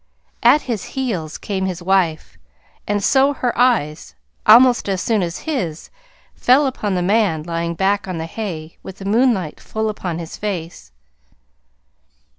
At his heels came his wife, and so her eyes, almost as soon as his fell upon the man lying back on the hay with the moonlight full upon his face.